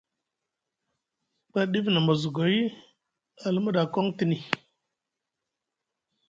Ba ɗif na mozugay a luma ɗa a koŋ tini.